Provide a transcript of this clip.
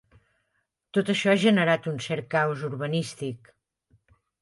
Tot això ha generat un cert caos urbanístic.